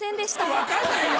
分かんないよ！